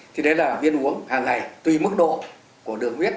thì đấy là viên uống hàng ngày tùy mức độ của đường huyết